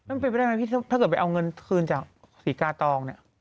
มันเป็นไปได้ไหมพี่ถ้าเกิดไปเอาเงินคืนจากศรีกาตองเนี่ย